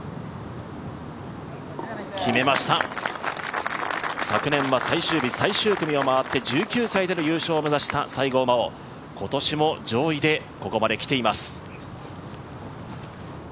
決めました、昨年は最終日、最終組を回って１９歳での優勝を目指した西郷真央、今年も上位でここまで来ています。